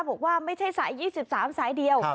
บอกว่าไม่ใช่สาย๒๓สายเดียว